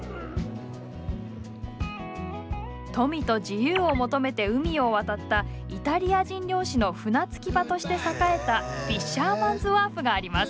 富と自由を求めて海を渡ったイタリア人漁師の船着き場として栄えたフィッシャーマンズワーフがあります。